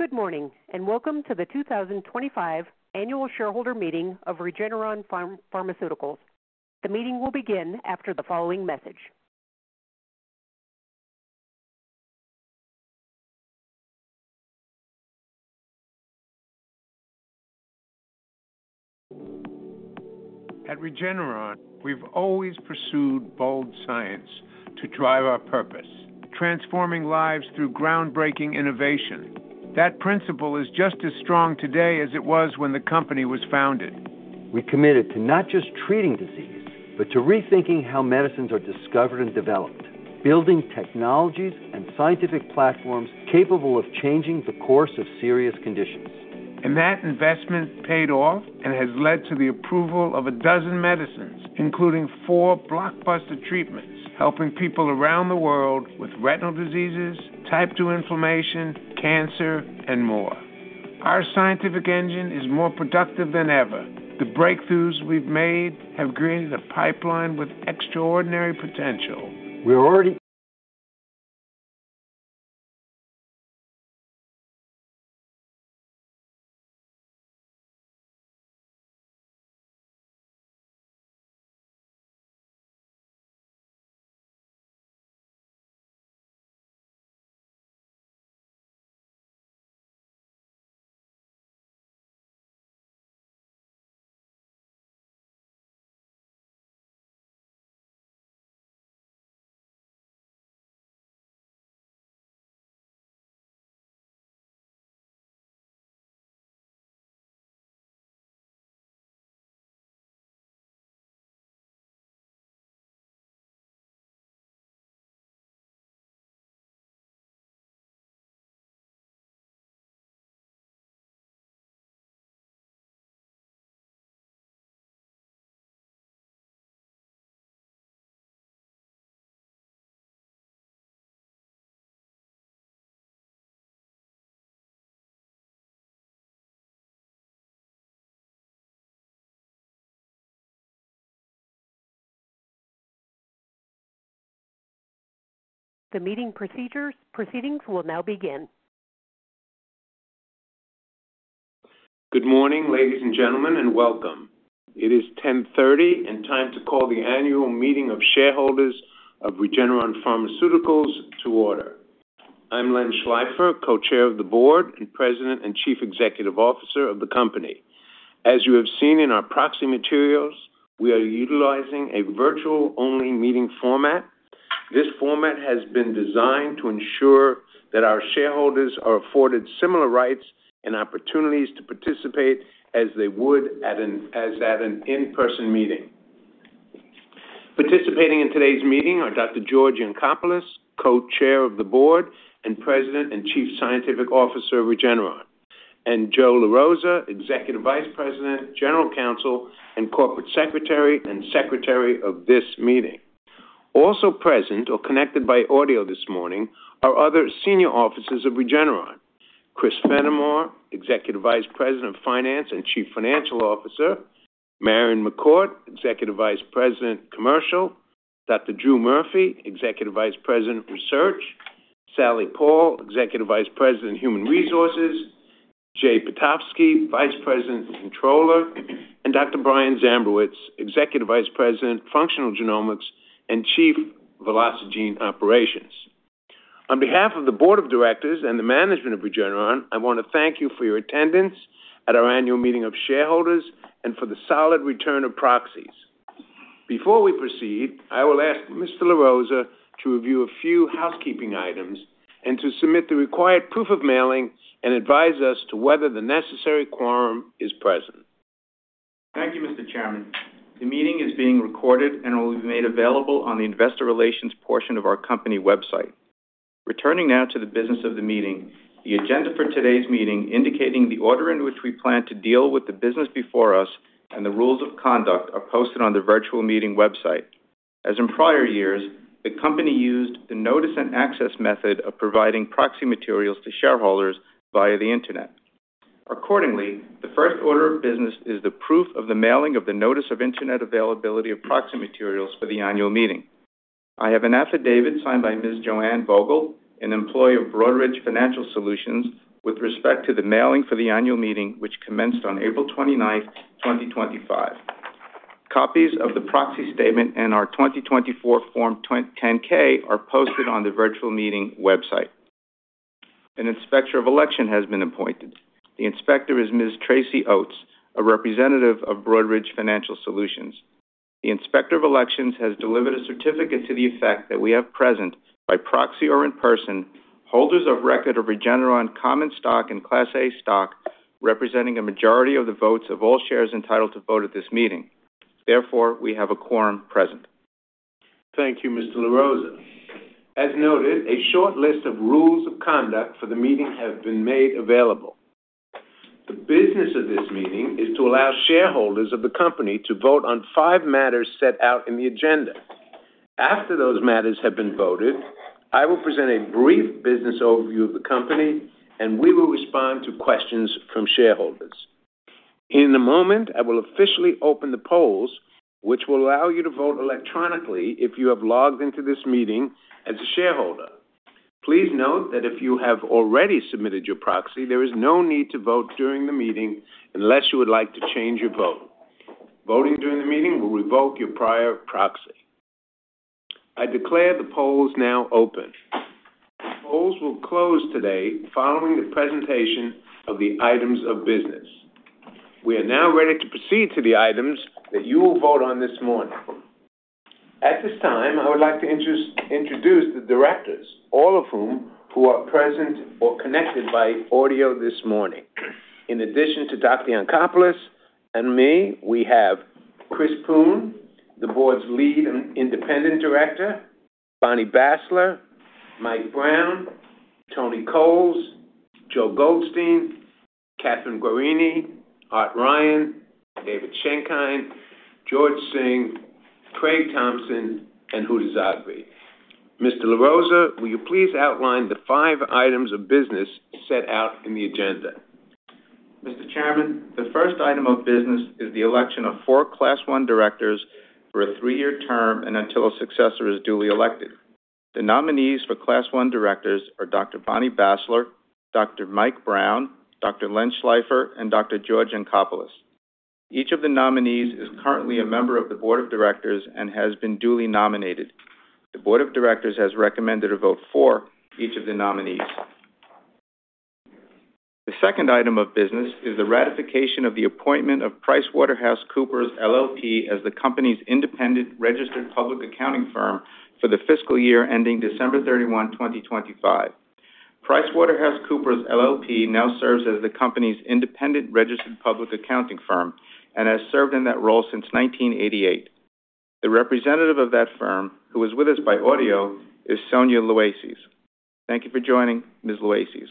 Good morning, and welcome to the 2025 Annual Shareholder Meeting of Regeneron Pharmaceuticals. The meeting will begin after the following message. At Regeneron, we've always pursued bold science to drive our purpose: transforming lives through groundbreaking innovation. That principle is just as strong today as it was when the company was founded. We committed to not just treating disease, but to rethinking how medicines are discovered and developed, building technologies and scientific platforms capable of changing the course of serious conditions. That investment paid off and has led to the approval of a dozen medicines, including four blockbuster treatments, helping people around the world with retinal diseases, type 2 inflammation, cancer, and more. Our scientific engine is more productive than ever. The breakthroughs we've made have created a pipeline with extraordinary potential. We're already. The meeting proceedings will now begin. Good morning, ladies and gentlemen, and welcome. It is 10:30, and time to call the Annual Meeting of Shareholders of Regeneron Pharmaceuticals to order. I'm Len Schleifer, Co-Chair of the Board and President and Chief Executive Officer of the company. As you have seen in our proxy materials, we are utilizing a virtual-only meeting format. This format has been designed to ensure that our shareholders are afforded similar rights and opportunities to participate as they would at an in-person meeting. Participating in today's meeting are Dr. George Yancopoulos, Co-Chair of the Board and President and Chief Scientific Officer of Regeneron, and Joe LaRosa, Executive Vice President, General Counsel, and Corporate Secretary and Secretary of this meeting. Also present, or connected by audio this morning, are other senior officers of Regeneron: Chris Fenimore, Executive Vice President of Finance and Chief Financial Officer; Marion McCourt, Executive Vice President Commercial; Dr. Drew Murphy, Executive Vice President Research; Sally Paull, Executive Vice President Human Resources; Jay Petofsky, Vice President Controller; and Dr. Brian Zambrowicz, Executive Vice President Functional Genomics and Chief Velocigene Operations. On behalf of the Board of Directors and the management of Regeneron, I want to thank you for your attendance at our Annual Meeting of Shareholders and for the solid return of proxies. Before we proceed, I will ask Mr. LaRosa to review a few housekeeping items and to submit the required proof of mailing and advise us as to whether the necessary quorum is present. Thank you, Mr. Chairman. The meeting is being recorded and will be made available on the investor relations portion of our company website. Returning now to the business of the meeting, the agenda for today's meeting, indicating the order in which we plan to deal with the business before us and the rules of conduct, are posted on the virtual meeting website. As in prior years, the company used the notice and access method of providing proxy materials to shareholders via the internet. Accordingly, the first order of business is the proof of the mailing of the notice of internet availability of proxy materials for the annual meeting. I have an affidavit signed by Ms. Joanne Vogel, an employee of Broadridge Financial Solutions, with respect to the mailing for the annual meeting, which commenced on April 29, 2025. Copies of the proxy statement and our 2024 Form 10-K are posted on the virtual meeting website. An inspector of election has been appointed. The inspector is Ms. Tracy Oates, a representative of Broadridge Financial Solutions. The inspector of election has delivered a certificate to the effect that we have present, by proxy or in person, holders of record of Regeneron common stock and Class A stock, representing a majority of the votes of all shares entitled to vote at this meeting. Therefore, we have a quorum present. Thank you, Mr. LaRosa. As noted, a short list of rules of conduct for the meeting have been made available. The business of this meeting is to allow shareholders of the company to vote on five matters set out in the agenda. After those matters have been voted, I will present a brief business overview of the company, and we will respond to questions from shareholders. In a moment, I will officially open the polls, which will allow you to vote electronically if you have logged into this meeting as a shareholder. Please note that if you have already submitted your proxy, there is no need to vote during the meeting unless you would like to change your vote. Voting during the meeting will revoke your prior proxy. I declare the polls now open. The polls will close today following the presentation of the items of business. We are now ready to proceed to the items that you will vote on this morning. At this time, I would like to introduce the directors, all of whom are present or connected by audio this morning. In addition to Dr. Yancopoulos and me, we have Chris Poon, the board's lead independent director, Bonnie Bassler, Mike Brown, Tony Coles, Joe Goldstein, Kathryn Gaurini, Art Ryan, David Schenkein, George Scangos, Craig Thompson, and Huda Zoghbi. Mr. LaRosa, will you please outline the five items of business set out in the agenda? Mr. Chairman, the first item of business is the election of four Class 1 directors for a three-year term and until a successor is duly elected. The nominees for Class 1 directors are Dr. Bonnie Bassler, Dr. Mike Brown, Dr. Len Schleifer, and Dr. George Yancopoulos. Each of the nominees is currently a member of the board of directors and has been duly nominated. The board of directors has recommended a vote for each of the nominees. The second item of business is the ratification of the appointment of PricewaterhouseCoopers LLP as the company's independent registered public accounting firm for the fiscal year ending December 31, 2025. PricewaterhouseCoopers LLP now serves as the company's independent registered public accounting firm and has served in that role since 1988. The representative of that firm, who is with us by audio, is Sonia Luaces. Thank you for joining, Ms. Luaces.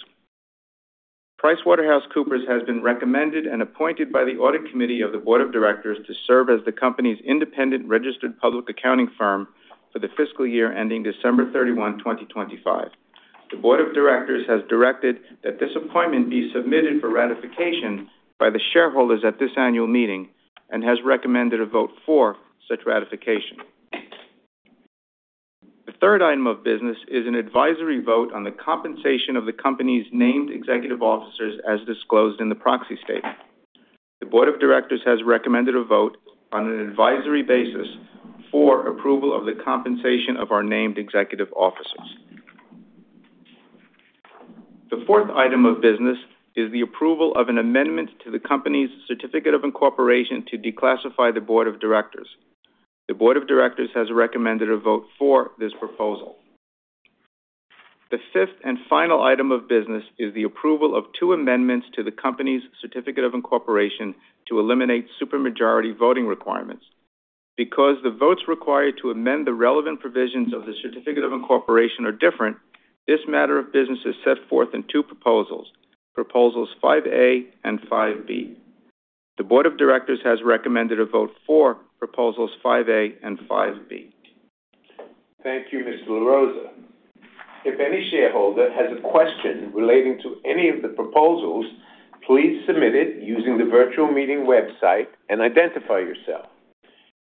PricewaterhouseCoopers has been recommended and appointed by the audit committee of the board of directors to serve as the company's independent registered public accounting firm for the fiscal year ending December 31, 2025. The board of directors has directed that this appointment be submitted for ratification by the shareholders at this annual meeting and has recommended a vote for such ratification. The third item of business is an advisory vote on the compensation of the company's named executive officers as disclosed in the proxy statement. The board of directors has recommended a vote on an advisory basis for approval of the compensation of our named executive officers. The fourth item of business is the approval of an amendment to the company's certificate of incorporation to declassify the board of directors. The board of directors has recommended a vote for this proposal. The fifth and final item of business is the approval of two amendments to the company's certificate of incorporation to eliminate supermajority voting requirements. Because the votes required to amend the relevant provisions of the certificate of incorporation are different, this matter of business is set forth in two proposals, Proposals 5A and 5B. The board of directors has recommended a vote for Proposals 5A and 5B. Thank you, Mr. LaRosa. If any shareholder has a question relating to any of the proposals, please submit it using the virtual meeting website and identify yourself.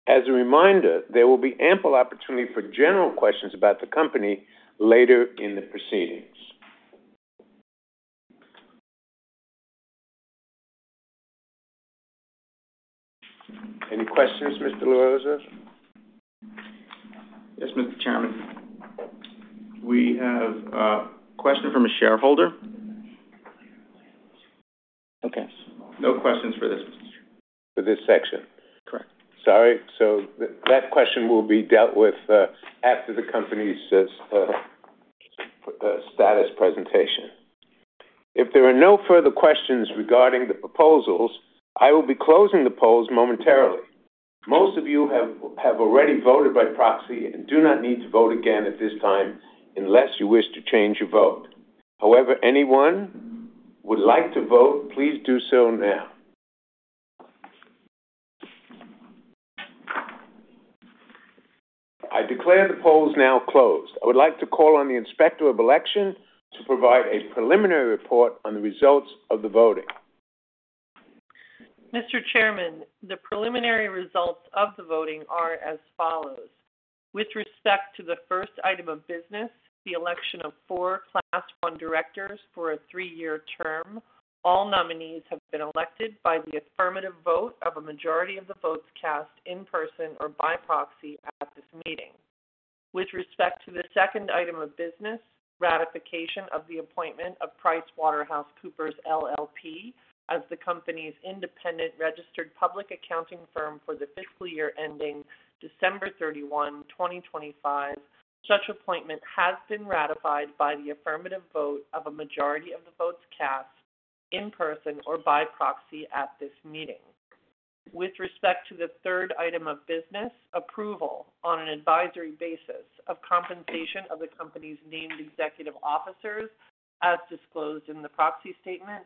As a reminder, there will be ample opportunity for general questions about the company later in the proceedings. Any questions, Mr. LaRosa? Yes, Mr. Chairman. We have a question from a shareholder. Okay. No questions for this section. For this section? Correct. Sorry. That question will be dealt with after the company's status presentation. If there are no further questions regarding the proposals, I will be closing the polls momentarily. Most of you have already voted by proxy and do not need to vote again at this time unless you wish to change your vote. However, anyone who would like to vote, please do so now. I declare the polls now closed. I would like to call on the inspector of election to provide a preliminary report on the results of the voting. Mr. Chairman, the preliminary results of the voting are as follows. With respect to the first item of business, the election of four Class 1 directors for a three-year term, all nominees have been elected by the affirmative vote of a majority of the votes cast in person or by proxy at this meeting. With respect to the second item of business, ratification of the appointment of PricewaterhouseCoopers LLP as the company's independent registered public accounting firm for the fiscal year ending December 31, 2025, such appointment has been ratified by the affirmative vote of a majority of the votes cast in person or by proxy at this meeting. With respect to the third item of business, approval on an advisory basis of compensation of the company's named executive officers as disclosed in the proxy statement,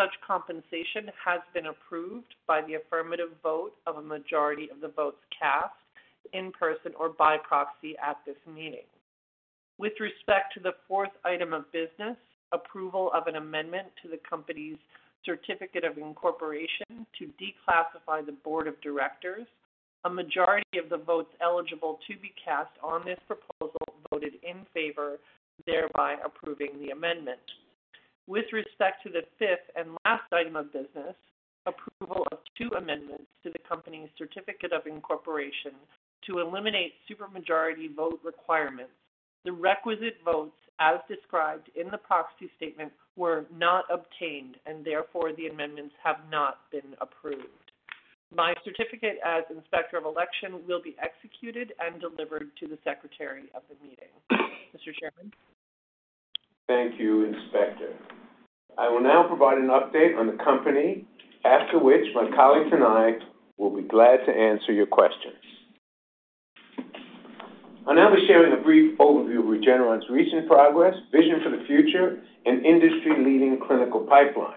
such compensation has been approved by the affirmative vote of a majority of the votes cast in person or by proxy at this meeting. With respect to the fourth item of business, approval of an amendment to the company's certificate of incorporation to declassify the board of directors, a majority of the votes eligible to be cast on this proposal voted in favor, thereby approving the amendment. With respect to the fifth and last item of business, approval of two amendments to the company's certificate of incorporation to eliminate supermajority vote requirements. The requisite votes, as described in the proxy statement, were not obtained, and therefore the amendments have not been approved. My certificate as inspector of election will be executed and delivered to the secretary of the meeting. Mr. Chairman. Thank you, Inspector. I will now provide an update on the company, after which my colleagues and I will be glad to answer your questions. I'll now be sharing a brief overview of Regeneron's recent progress, vision for the future, and industry-leading clinical pipeline.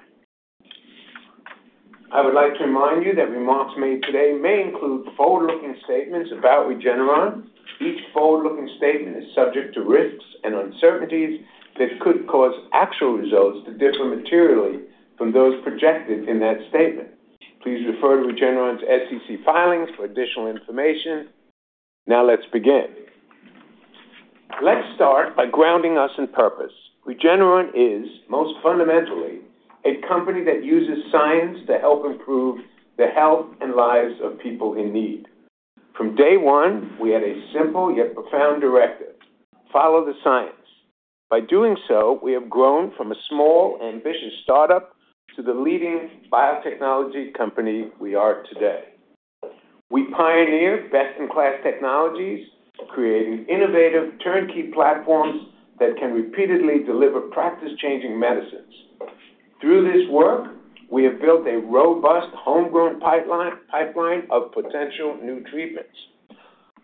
I would like to remind you that remarks made today may include forward-looking statements about Regeneron. Each forward-looking statement is subject to risks and uncertainties that could cause actual results to differ materially from those projected in that statement. Please refer to Regeneron's SEC filings for additional information. Now let's begin. Let's start by grounding us in purpose. Regeneron is, most fundamentally, a company that uses science to help improve the health and lives of people in need. From day one, we had a simple yet profound directive: follow the science. By doing so, we have grown from a small, ambitious startup to the leading biotechnology company we are today. We pioneer best-in-class technologies, creating innovative turnkey platforms that can repeatedly deliver practice-changing medicines. Through this work, we have built a robust homegrown pipeline of potential new treatments.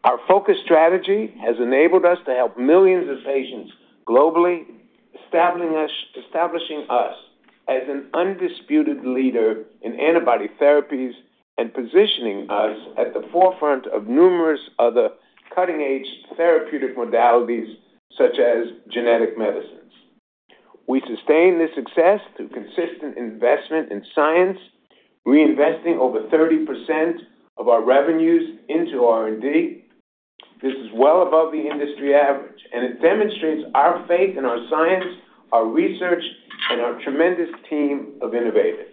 Our focused strategy has enabled us to help millions of patients globally, establishing us as an undisputed leader in antibody therapies and positioning us at the forefront of numerous other cutting-edge therapeutic modalities, such as genetic medicines. We sustain this success through consistent investment in science, reinvesting over 30% of our revenues into R&D. This is well above the industry average, and it demonstrates our faith in our science, our research, and our tremendous team of innovators.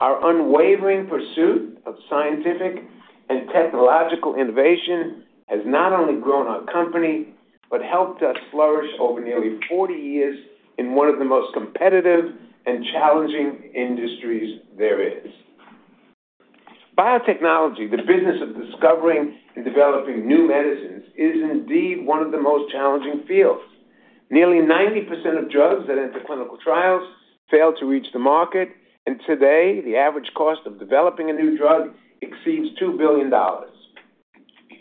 Our unwavering pursuit of scientific and technological innovation has not only grown our company but helped us flourish over nearly 40 years in one of the most competitive and challenging industries there is. Biotechnology, the business of discovering and developing new medicines, is indeed one of the most challenging fields. Nearly 90% of drugs that enter clinical trials fail to reach the market, and today, the average cost of developing a new drug exceeds $2 billion.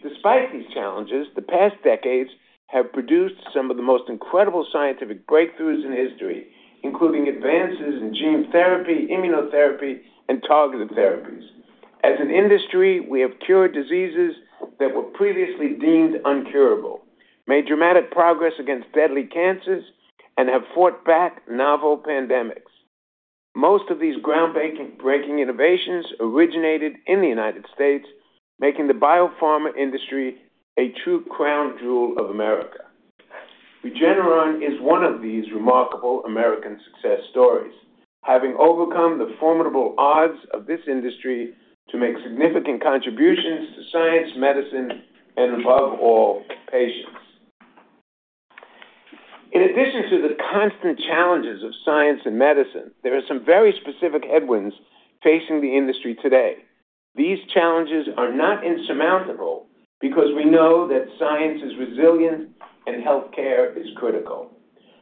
Despite these challenges, the past decades have produced some of the most incredible scientific breakthroughs in history, including advances in gene therapy, immunotherapy, and targeted therapies. As an industry, we have cured diseases that were previously deemed incurable, made dramatic progress against deadly cancers, and have fought back novel pandemics. Most of these groundbreaking innovations originated in the U.S., making the biopharma industry a true crown jewel of America. Regeneron is one of these remarkable American success stories, having overcome the formidable odds of this industry to make significant contributions to science, medicine, and above all, patients. In addition to the constant challenges of science and medicine, there are some very specific headwinds facing the industry today. These challenges are not insurmountable because we know that science is resilient and healthcare is critical.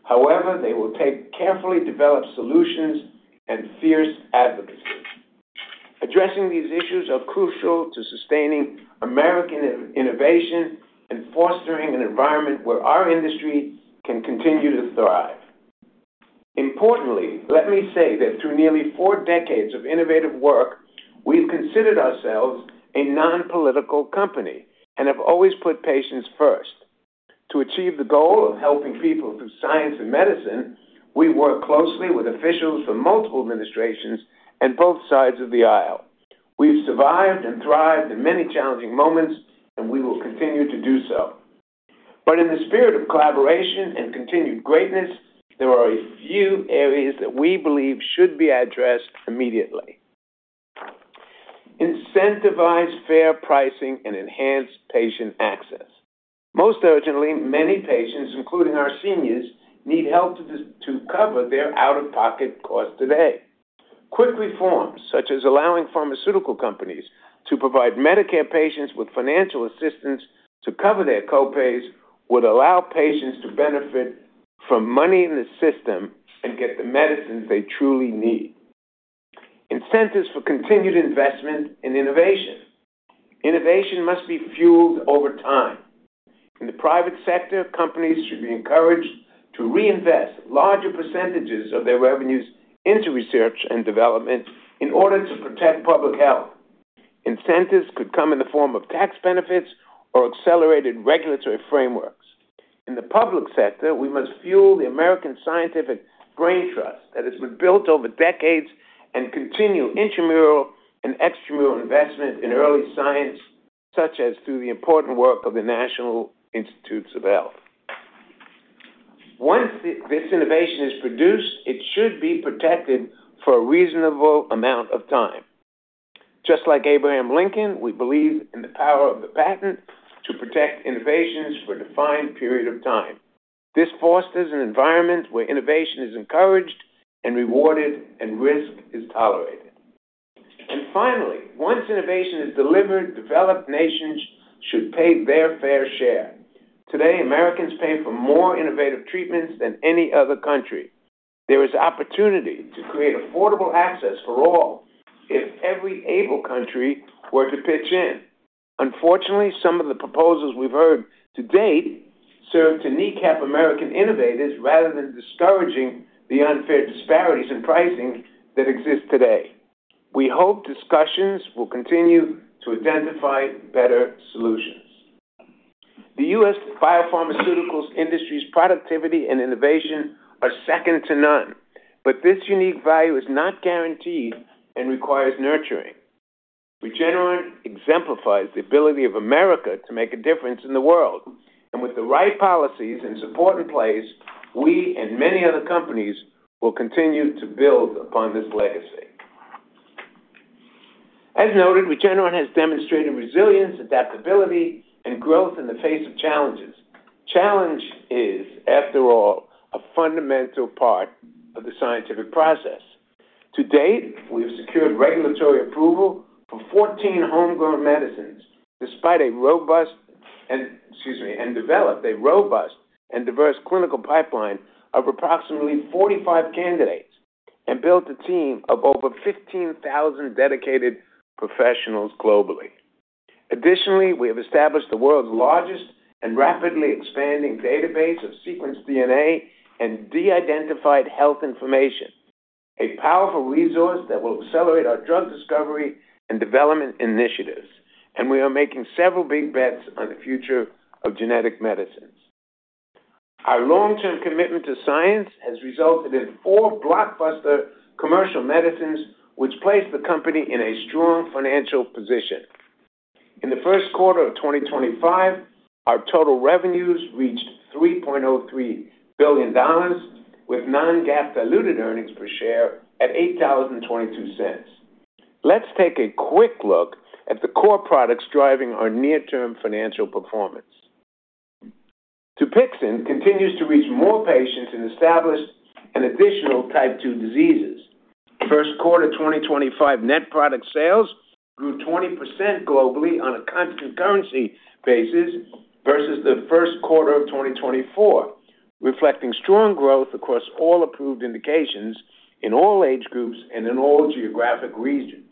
However, they will take carefully developed solutions and fierce advocacy. Addressing these issues is crucial to sustaining American innovation and fostering an environment where our industry can continue to thrive. Importantly, let me say that through nearly four decades of innovative work, we've considered ourselves a non-political company and have always put patients first. To achieve the goal of helping people through science and medicine, we work closely with officials from multiple administrations and both sides of the aisle. We've survived and thrived in many challenging moments, and we will continue to do so. In the spirit of collaboration and continued greatness, there are a few areas that we believe should be addressed immediately. Incentivize fair pricing and enhance patient access. Most urgently, many patients, including our seniors, need help to cover their out-of-pocket costs today. Quick reforms, such as allowing pharmaceutical companies to provide Medicare patients with financial assistance to cover their copays, would allow patients to benefit from money in the system and get the medicines they truly need. Incentives for continued investment in innovation. Innovation must be fueled over time. In the private sector, companies should be encouraged to reinvest larger percentages of their revenues into research and development in order to protect public health. Incentives could come in the form of tax benefits or accelerated regulatory frameworks. In the public sector, we must fuel the American scientific brain trust that has been built over decades and continue intramural and extramural investment in early science, such as through the important work of the National Institutes of Health. Once this innovation is produced, it should be protected for a reasonable amount of time. Just like Abraham Lincoln, we believe in the power of the patent to protect innovations for a defined period of time. This fosters an environment where innovation is encouraged and rewarded, and risk is tolerated. Finally, once innovation is delivered, developed nations should pay their fair share. Today, Americans pay for more innovative treatments than any other country. There is opportunity to create affordable access for all if every able country were to pitch in. Unfortunately, some of the proposals we've heard to date serve to kneecap American innovators rather than discouraging the unfair disparities in pricing that exist today. We hope discussions will continue to identify better solutions. The U.S. biopharmaceuticals industry's productivity and innovation are second to none, but this unique value is not guaranteed and requires nurturing. Regeneron exemplifies the ability of America to make a difference in the world. With the right policies and support in place, we and many other companies will continue to build upon this legacy. As noted, Regeneron has demonstrated resilience, adaptability, and growth in the face of challenges. Challenge is, after all, a fundamental part of the scientific process. To date, we have secured regulatory approval for 14 homegrown medicines and developed a robust and diverse clinical pipeline of approximately 45 candidates and built a team of over 15,000 dedicated professionals globally. Additionally, we have established the world's largest and rapidly expanding database of sequenced DNA and de-identified health information, a powerful resource that will accelerate our drug discovery and development initiatives. We are making several big bets on the future of genetic medicines. Our long-term commitment to science has resulted in four blockbuster commercial medicines, which place the company in a strong financial position. In the first quarter of 2025, our total revenues reached $3.03 billion, with non-GAAP diluted earnings per share at $8.22. Let's take a quick look at the core products driving our near-term financial performance. Dupixent continues to reach more patients and establish an additional type 2 diseases. First quarter 2025 net product sales grew 20% globally on a constant currency basis versus the first quarter of 2024, reflecting strong growth across all approved indications in all age groups and in all geographic regions.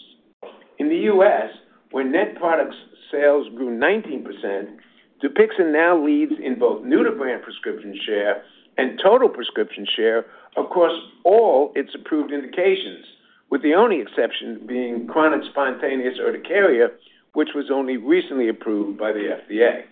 In the U.S., where net product sales grew 19%, Dupixent now leads in both new-to-brand prescription share and total prescription share across all its approved indications, with the only exception being chronic spontaneous urticaria, which was only recently approved by the FDA.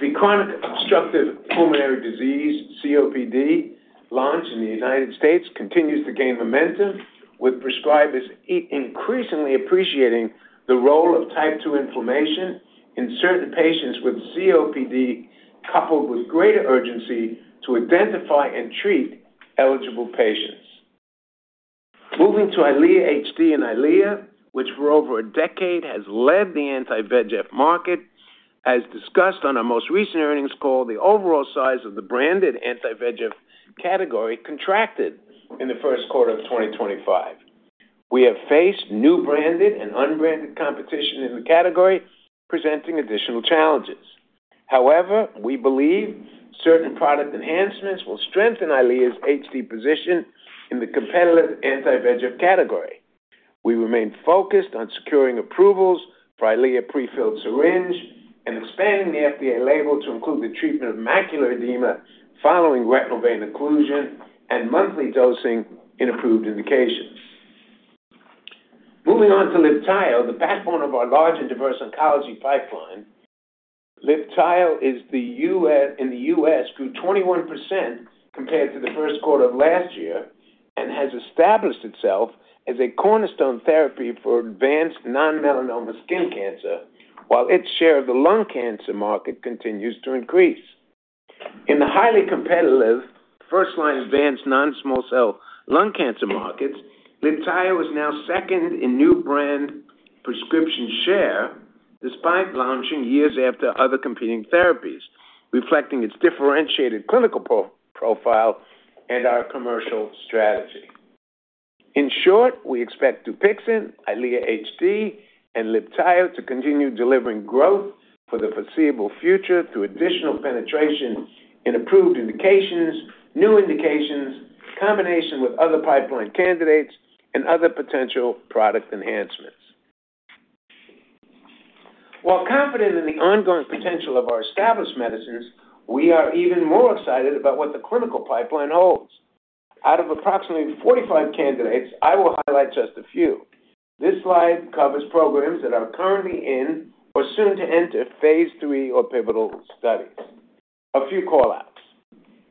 The chronic obstructive pulmonary disease, COPD, launch in the United States continues to gain momentum, with prescribers increasingly appreciating the role of type 2 inflammation in certain patients with COPD, coupled with greater urgency to identify and treat eligible patients. Moving to Eylea HD and Eylea, which for over a decade has led the anti-VEGF market, as discussed on our most recent earnings call, the overall size of the branded anti-VEGF category contracted in the first quarter of 2025. We have faced new branded and unbranded competition in the category, presenting additional challenges. However, we believe certain product enhancements will strengthen EYLEA HD's position in the competitive anti-VEGF category. We remain focused on securing approvals for EYLEA prefilled syringe and expanding the FDA label to include the treatment of macular edema following retinal vein occlusion and monthly dosing in approved indications. Moving on to LIBTAYO, the platform of our large and diverse oncology pipeline. LIBTAYO in the U.S. grew 21% compared to the first quarter of last year and has established itself as a cornerstone therapy for advanced non-melanoma skin cancer, while its share of the lung cancer market continues to increase. In the highly competitive first-line advanced non-small cell lung cancer markets, LIBTAYO is now second in new brand prescription share, despite launching years after other competing therapies, reflecting its differentiated clinical profile and our commercial strategy. In short, we expect Dupixent, EYLEA HD, and LIBTAYO to continue delivering growth for the foreseeable future through additional penetration in approved indications, new indications, combination with other pipeline candidates, and other potential product enhancements. While confident in the ongoing potential of our established medicines, we are even more excited about what the clinical pipeline holds. Out of approximately 45 candidates, I will highlight just a few. This slide covers programs that are currently in or soon to enter phase three or pivotal studies. A few callouts.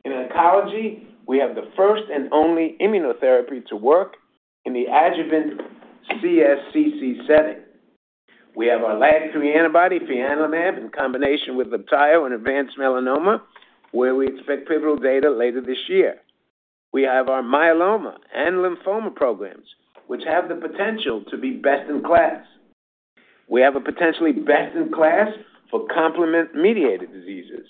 In oncology, we have the first and only immunotherapy to work in the adjuvant CSCC setting. We have our LAG-3 antibody, fianlimab, in combination with LIBTAYO in advanced melanoma, where we expect pivotal data later this year. We have our myeloma and lymphoma programs, which have the potential to be best in class. We have a potentially best in class for complement-mediated diseases.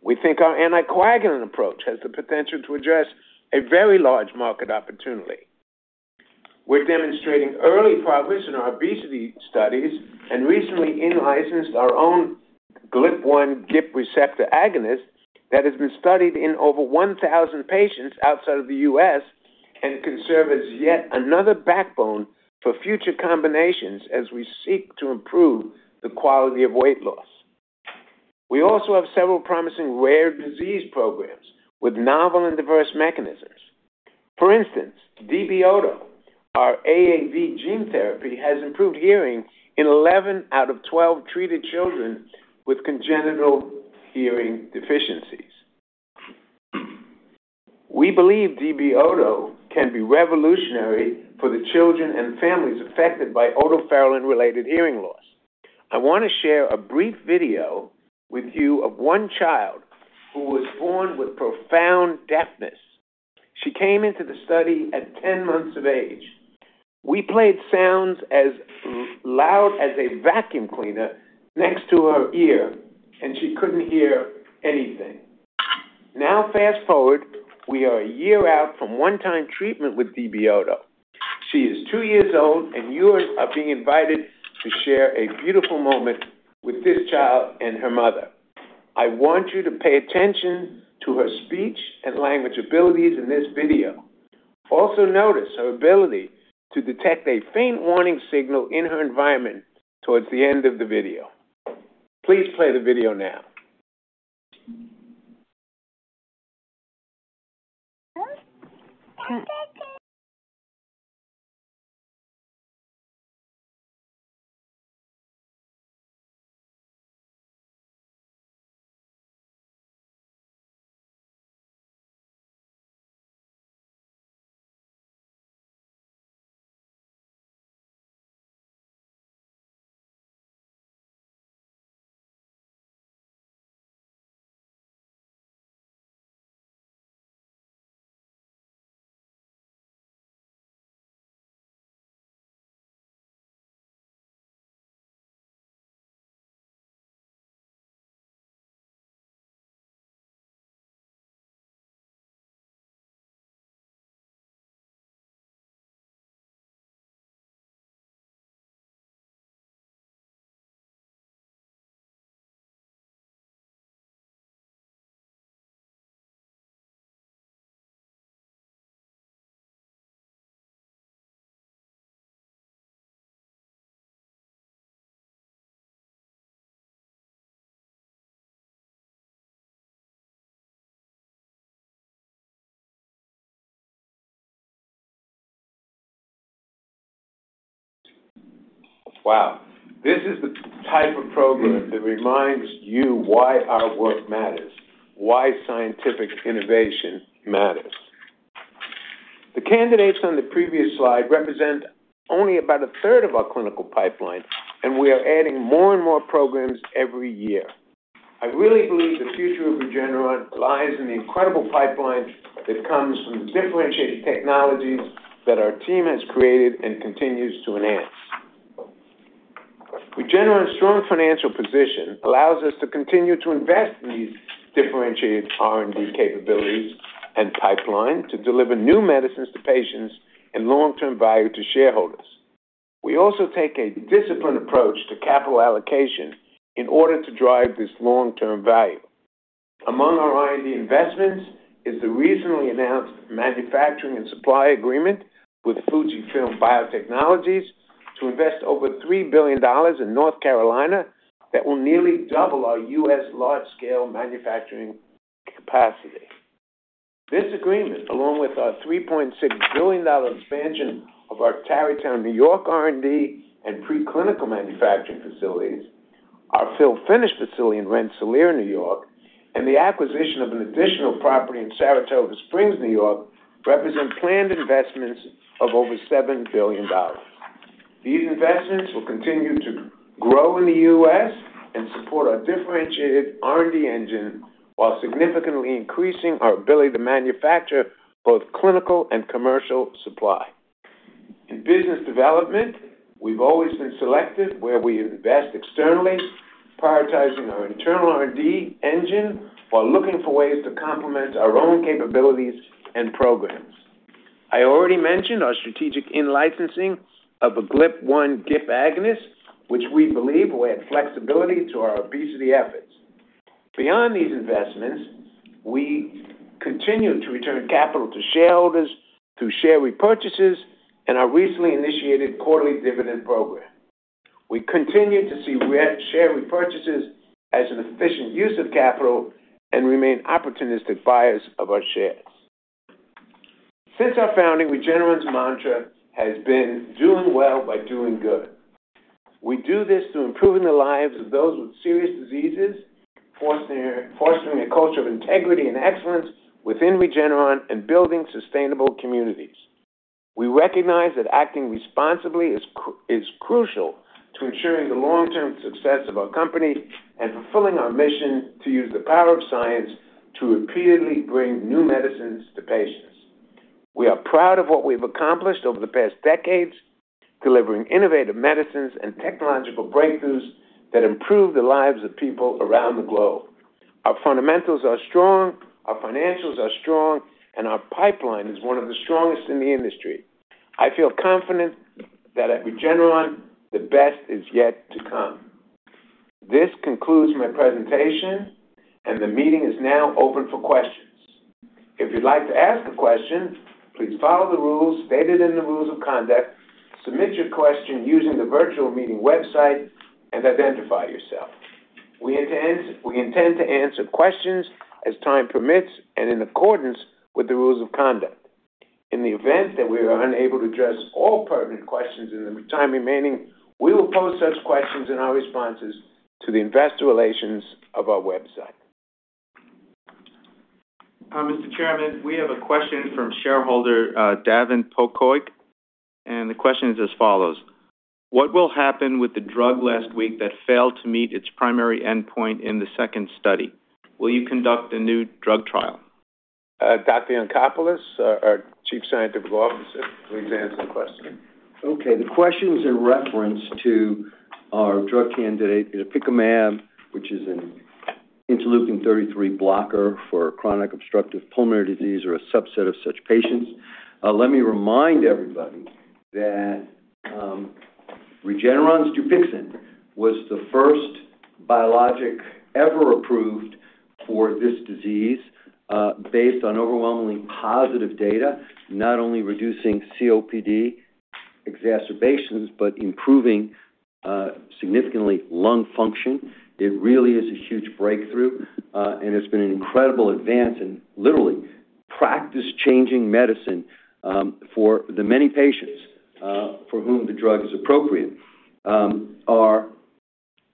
We think our anticoagulant approach has the potential to address a very large market opportunity. We're demonstrating early progress in our obesity studies and recently in-licensed our own GLP-1 GIP receptor agonist that has been studied in over 1,000 patients outside of the U.S. and can serve as yet another backbone for future combinations as we seek to improve the quality of weight loss. We also have several promising rare disease programs with novel and diverse mechanisms. For instance, DB-OTO, our AAV gene therapy, has improved hearing in 11 out of 12 treated children with congenital hearing deficiencies. We believe DB-OTO can be revolutionary for the children and families affected by otopharynx-related hearing loss. I want to share a brief video with you of one child who was born with profound deafness. She came into the study at 10 months of age. We played sounds as loud as a vacuum cleaner next to her ear, and she could not hear anything. Now, fast forward, we are a year out from one-time treatment with DB-OTO. She is two years old, and you are being invited to share a beautiful moment with this child and her mother. I want you to pay attention to her speech and language abilities in this video. Also notice her ability to detect a faint warning signal in her environment towards the end of the video. Please play the video now. Wow. This is the type of program that reminds you why our work matters, why scientific innovation matters. The candidates on the previous slide represent only about a third of our clinical pipeline, and we are adding more and more programs every year. I really believe the future of Regeneron lies in the incredible pipeline that comes from the differentiated technologies that our team has created and continues to enhance. Regeneron's strong financial position allows us to continue to invest in these differentiated R&D capabilities and pipeline to deliver new medicines to patients and long-term value to shareholders. We also take a disciplined approach to capital allocation in order to drive this long-term value. Among our R&D investments is the recently announced manufacturing and supply agreement with FUJIFILM Diosynth Biotechnologies to invest over $3 billion in North Carolina that will nearly double our U.S. large-scale manufacturing capacity. This agreement, along with our $3.6 billion expansion of our Tarrytown, New York R&D and preclinical manufacturing facilities, our fill-finish facility in Rensselaer, New York, and the acquisition of an additional property in Saratoga Springs, New York, represent planned investments of over $7 billion. These investments will continue to grow in the U.S. and support our differentiated R&D engine while significantly increasing our ability to manufacture both clinical and commercial supply. In business development, we've always been selective where we invest externally, prioritizing our internal R&D engine while looking for ways to complement our own capabilities and programs. I already mentioned our strategic in-licensing of a GLP-1 GIP agonist, which we believe will add flexibility to our obesity efforts. Beyond these investments, we continue to return capital to shareholders through share repurchases and our recently initiated quarterly dividend program. We continue to see share repurchases as an efficient use of capital and remain opportunistic buyers of our shares. Since our founding, Regeneron's mantra has been "Doing well by doing good." We do this through improving the lives of those with serious diseases, fostering a culture of integrity and excellence within Regeneron, and building sustainable communities. We recognize that acting responsibly is crucial to ensuring the long-term success of our company and fulfilling our mission to use the power of science to repeatedly bring new medicines to patients. We are proud of what we've accomplished over the past decades, delivering innovative medicines and technological breakthroughs that improve the lives of people around the globe. Our fundamentals are strong, our financials are strong, and our pipeline is one of the strongest in the industry. I feel confident that at Regeneron, the best is yet to come. This concludes my presentation, and the meeting is now open for questions. If you'd like to ask a question, please follow the rules stated in the rules of conduct, submit your question using the virtual meeting website, and identify yourself. We intend to answer questions as time permits and in accordance with the rules of conduct. In the event that we are unable to address all pertinent questions in the time remaining, we will post such questions and our responses to the investor relations of our website. Mr. Chairman, we have a question from shareholder [Davin Pokoy], and the question is as follows: What will happen with the drug last week that failed to meet its primary endpoint in the second study? Will you conduct a new drug trial? Dr. Yancopoulos, our Chief Scientific Officer, please answer the question. Okay. The question is in reference to our drug candidate, Dupicimab, which is an interleukin-33 blocker for chronic obstructive pulmonary disease or a subset of such patients. Let me remind everybody that Regeneron's Dupixent was the first biologic ever approved for this disease based on overwhelmingly positive data, not only reducing COPD exacerbations but improving significantly lung function. It really is a huge breakthrough, and it's been an incredible advance in literally practice-changing medicine for the many patients for whom the drug is appropriate. Our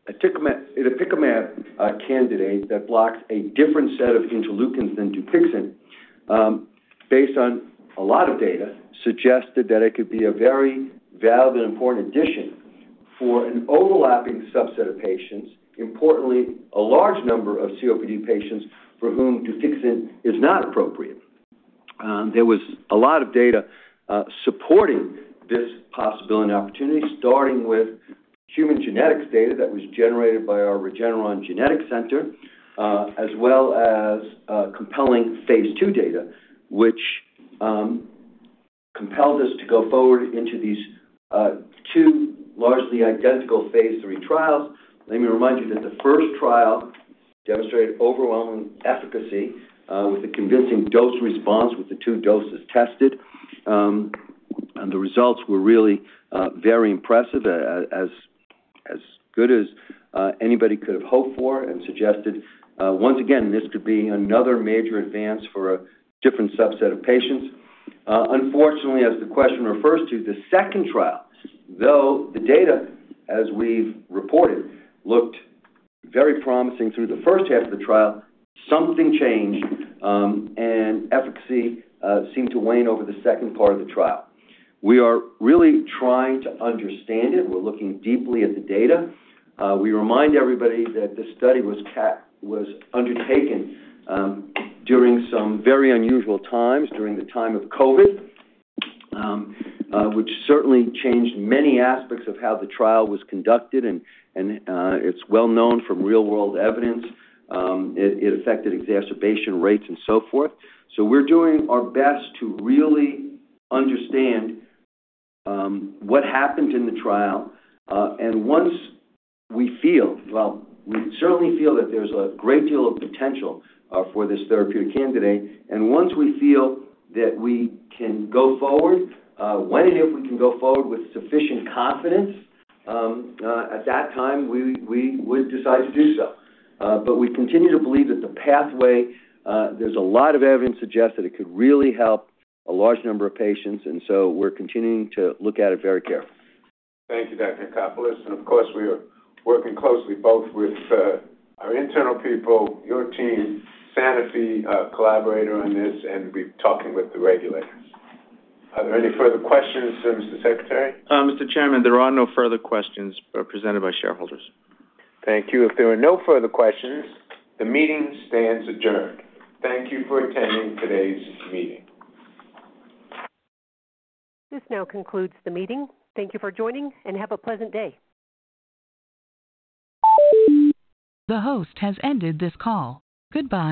Dupicimab candidate that blocks a different set of interleukins than Dupixent, based on a lot of data, suggested that it could be a very valid and important addition for an overlapping subset of patients, importantly, a large number of COPD patients for whom Dupixent is not appropriate. There was a lot of data supporting this possibility and opportunity, starting with human genetics data that was generated by our Regeneron Genetic Center, as well as compelling phase two data, which compelled us to go forward into these two largely identical phase three trials. Let me remind you that the first trial demonstrated overwhelming efficacy with a convincing dose response with the two doses tested, and the results were really very impressive, as good as anybody could have hoped for and suggested. Once again, this could be another major advance for a different subset of patients. Unfortunately, as the question refers to the second trial, though the data, as we've reported, looked very promising through the first half of the trial, something changed, and efficacy seemed to wane over the second part of the trial. We are really trying to understand it. We're looking deeply at the data. We remind everybody that this study was undertaken during some very unusual times, during the time of COVID, which certainly changed many aspects of how the trial was conducted, and it's well known from real-world evidence. It affected exacerbation rates and so forth. We are doing our best to really understand what happened in the trial. Once we feel, we certainly feel that there's a great deal of potential for this therapeutic candidate, and once we feel that we can go forward, when and if we can go forward with sufficient confidence, at that time, we would decide to do so. We continue to believe that the pathway, there's a lot of evidence to suggest that it could really help a large number of patients, and we are continuing to look at it very carefully. Thank you, Dr. Yancopoulos. Of course, we are working closely both with our internal people, your team, Sanofi collaborator on this, and we are talking with the regulators. Are there any further questions, Mr. Secretary? Mr. Chairman, there are no further questions presented by shareholders. Thank you. If there are no further questions, the meeting stands adjourned. Thank you for attending today's meeting. This now concludes the meeting. Thank you for joining, and have a pleasant day. The host has ended this call. Goodbye.